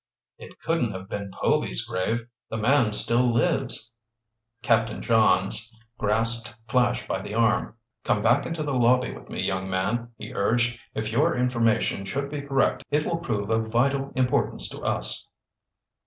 "It couldn't have been Povy's grave. The man still lives." Captain Johns grasped Flash by the arm. "Come back into the lobby with me, young man," he urged. "If your information should be correct it will prove of vital importance to us!"